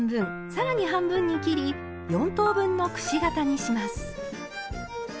さらに半分に切り４等分のくし形にします。